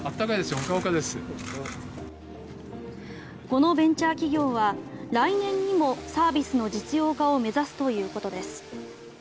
このベンチャー企業は来年にもサービスの実用化を目指すということです。